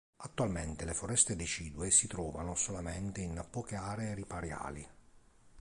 Attualmente le foreste decidue si trovano solamente in poche aree ripariali.